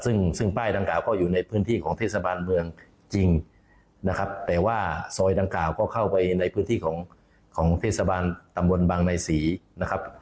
ซึ่งป้ายดังกล่าก็อยู่ในพื้นที่ของเทศบาลเมืองจริงนะครับแต่ว่าซอยดังกล่าวก็เข้าไปในพื้นที่ของของเทศบาลตำบลบางนายศรีนะครับ